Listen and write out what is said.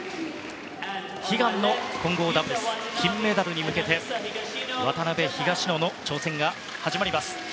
悲願の混合ダブルス金メダルに向けて渡辺、東野の挑戦が始まります。